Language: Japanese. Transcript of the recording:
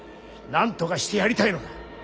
なんとかしてやりたいのだ。